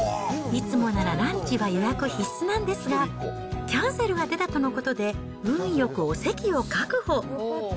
いつもならランチは予約必須なんですが、キャンセルが出たとのことで、運よくお席を確保。